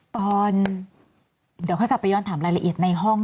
ตอนเดี๋ยวค่อยกลับไปย้อนถามรายละเอียดในห้อง